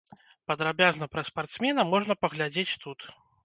Падрабязна пра спартсмена можна паглядзець тут.